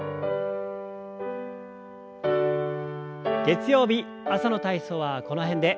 月曜日朝の体操はこの辺で。